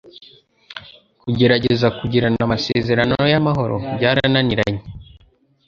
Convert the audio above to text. Kugerageza kugirana amasezerano y’amahoro byarananiranye.